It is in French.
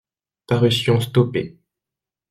Parution stoppée.